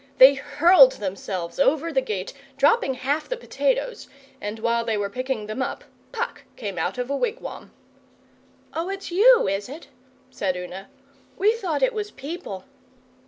They hurled themselves over the gate, dropping half the potatoes, and while they were picking them up Puck came out of a wigwam. 'Oh, it's you, is it?' said Una. 'We thought it was people.